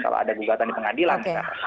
kalau ada gugatan di pengadilan